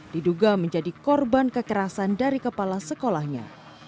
diduga menjadi korban kekerasan dari kepala sekolahnya